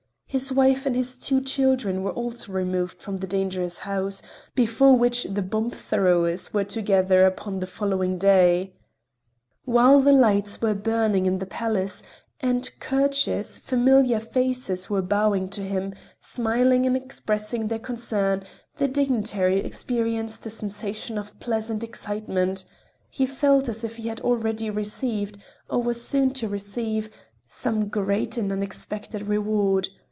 His wife and his two children were also removed from the dangerous house, before which the bomb throwers were to gather upon the following day. While the lights were burning in the palace, and courteous, familiar faces were bowing to him, smiling and expressing their concern, the dignitary experienced a sensation of pleasant excitement—he felt as if he had already received, or was soon to receive, some great and unexpected reward.